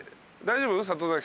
大丈夫？